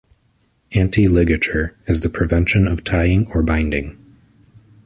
Anti-ligature is the "prevention" of tying or binding.